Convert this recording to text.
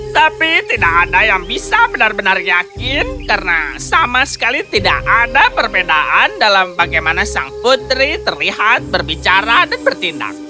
tapi tidak ada yang bisa benar benar yakin karena sama sekali tidak ada perbedaan dalam bagaimana sang putri terlihat berbicara dan bertindak